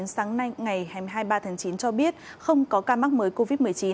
sáng nay ngày hai mươi ba tháng chín cho biết không có ca mắc mới covid một mươi chín